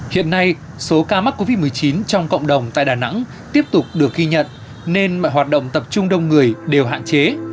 hiện nay số ca mắc covid một mươi chín trong cộng đồng tại đà nẵng tiếp tục được ghi nhận nên mọi hoạt động tập trung đông người đều hạn chế